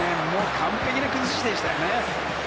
完璧な崩しでしたよね。